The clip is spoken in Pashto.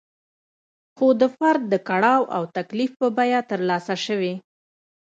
خو د فرد د کړاو او تکلیف په بیه ترلاسه شوې.